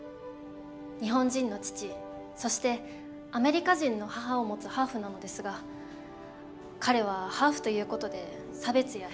日本人の父そしてアメリカ人の母を持つハーフなのですが彼はハーフということで差別や偏見にあいます。